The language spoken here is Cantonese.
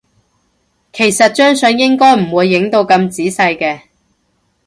其實張相應該唔會影到咁仔細嘅